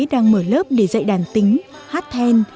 đang mở lớp để dạy đàn tính hát then